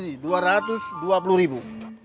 di dua ratus dua puluh ribu